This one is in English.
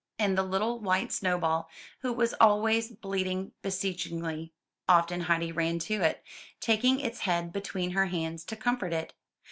And the little white Snowball, who was always bleating beseechingly, often Heidi ran to it, taking its head between her hands to comfort it.